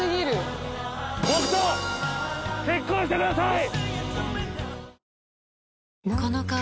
僕と結婚してください。